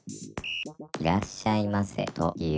「いらっしゃいませと言う」